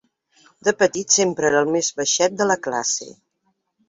De petit sempre era el més baixet de la classe.